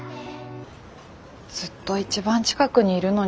ずっと一番近くにいるのに。